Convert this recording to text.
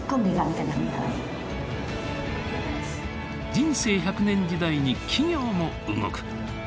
人生１００年時代に企業も動く。